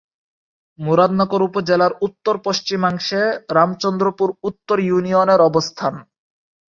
মুরাদনগর উপজেলার উত্তর-পশ্চিমাংশে রামচন্দ্রপুর উত্তর ইউনিয়নের অবস্থান।